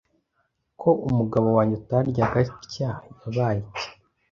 Ko umugabo wanjye ataryaga atya, yabaye iki